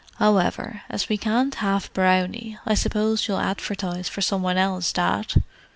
However, as we can't have Brownie, I suppose you'll advertise for some one else, Dad?"